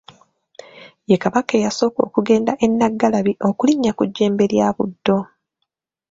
Ye Kabaka eyasooka okugenda e Naggalabi okulinnya ku jjembe lya Buddo.